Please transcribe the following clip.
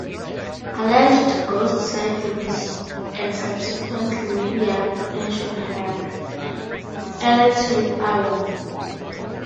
Alleged ghost sightings and subsequent media attention have added to the allure.